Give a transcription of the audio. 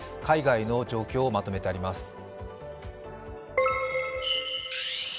海外の状況をまとめてあります。